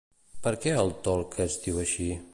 Per què el Tolc es diu així?